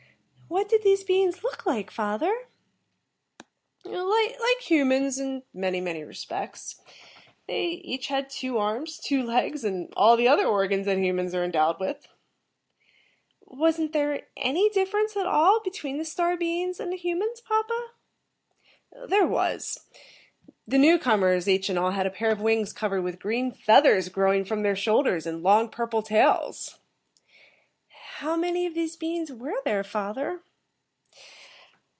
"And what did these beings look like, father?" "Like humans in many, many respects. They each had two arms, two legs and all the other organs that humans are endowed with." "Wasn't there any difference at all between the Star beings and the humans, papa?" "There was. The newcomers, each and all, had a pair of wings covered with green feathers growing from their shoulders, and long, purple tails." "How many of these beings were there, father?"